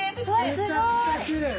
めちゃくちゃきれい。